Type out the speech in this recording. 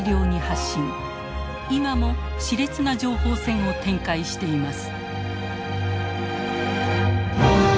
今もしれつな情報戦を展開しています。